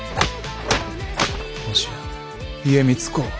もしや家光公は。